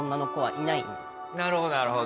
なるほどなるほど。